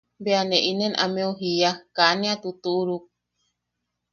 Bea ne inen ammeu jiaa –Kaa ne a tutuʼuruk.